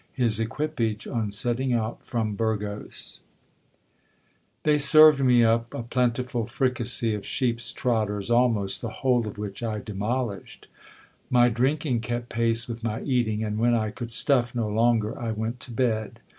His equipage on setting out from They served me up a plentiful fricassee of sheep's trotters, almost the whole of which I demolished. My drinking kept pace with my eating : and when I could stuff no longer, I went to bed.